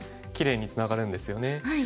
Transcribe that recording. きれいにツナがるんですよね。